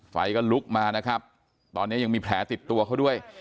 ไฟก็ลุกมานะครับตอนนี้ยังมีแผลติดตัวเขาด้วย